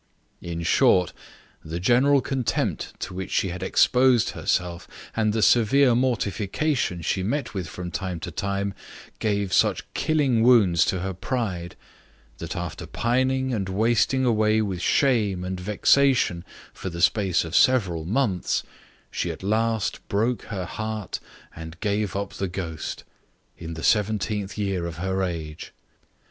In short, the general contempt to which she had exposed herself, and the severe mortifications she met with from time to time, gave such killing wounds to her pride, that after pining and wasting away with shame and vexation for the space of several months, she at last broke her heart and gave up the ghost, in the seventeenth year of her age.